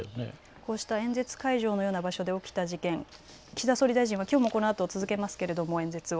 こうした演説会場のような場所で起きた事件、岸田総理大臣はきょうもこのあと続けますけれども演説を。